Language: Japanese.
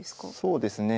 そうですね。